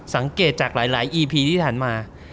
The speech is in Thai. สังเกตจากหลายอีพีที่ผ่านมา